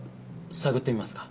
探ってみますか？